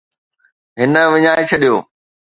هن وڃائي ڇڏيو